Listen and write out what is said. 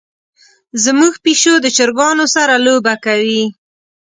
زمونږ پیشو د چرګانو سره لوبه کوي.